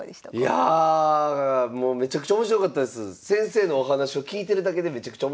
いやあめちゃくちゃ面白かったです。